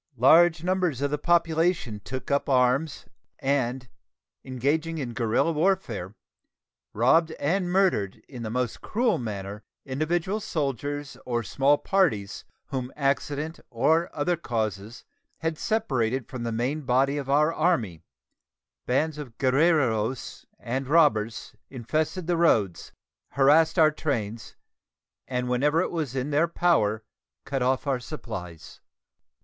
Large numbers of the population took up arms, and, engaging in guerrilla warfare, robbed and murdered in the most cruel manner individual soldiers or small parties whom accident or other causes had separated from the main body of our Army; bands of guerrilleros and robbers infested the roads, harassed our trains, and whenever it was in their power cut off our supplies.